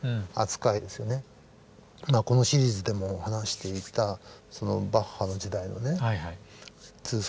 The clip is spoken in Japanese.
このシリーズでも話していたバッハの時代のね通奏